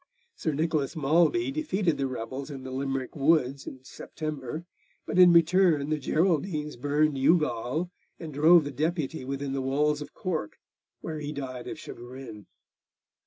Sir Nicholas Malby defeated the rebels in the Limerick woods in September, but in return the Geraldines burned Youghal and drove the Deputy within the walls of Cork, where he died of chagrin.